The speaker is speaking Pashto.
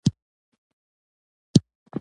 دا د ښي خوا په مصرو کې راځي.